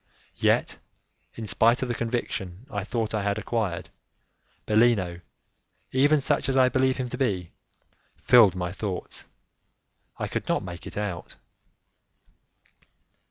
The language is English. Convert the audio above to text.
Yet, in spite of the conviction I thought I had acquired, Bellino, even such as I believe him to be, filled my thoughts; I could not make it out.